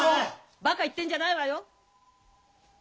バカ言ってんじゃないわよ。